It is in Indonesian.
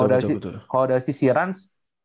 ya kalo dari sisi ranz